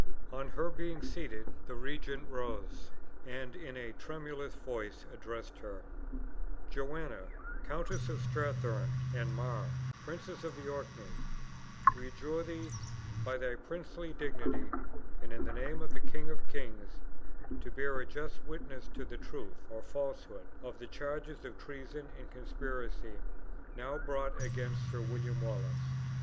On her being seated the regent rose, and in a tremulous voice addressed her: "Joanna, Countess of Strathearn and Mar, Princess of the Orkneys, we adjure thee by thy princely dignity, and in the name of the King of kings, to bear a just witness to the truth or falsehood, of the charges of treason and conspiracy now brought against Sir William Wallace."